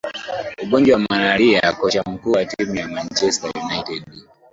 ugonjwa wa malaria kocha mkuu wa timu ya manchester united